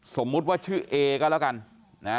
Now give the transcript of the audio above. สมมุติว่าชื่อเอก็แล้วกันนะ